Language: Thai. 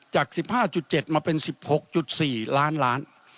จาก๑๕๗มาเป็น๑๖๔ล้านล้าน